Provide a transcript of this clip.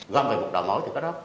gom về một đầu mối thì có đó